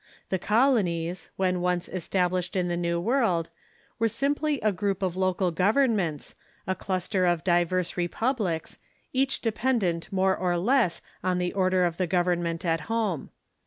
The colonies, when once established in the Xew World, Avere simply a group of local governments, a cluster of diverse republics, each dependent more or less on the order of the government at home.